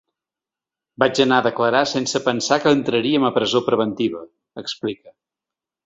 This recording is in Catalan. Vaig anar a declarar sense pensar que entraríem a presó preventiva, explica.